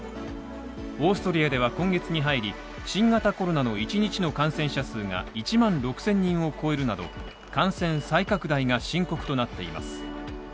オーストリアでは今月に入り、新型コロナの１日の感染者数が１万６０００人を超えるなど感染再拡大が深刻となっています。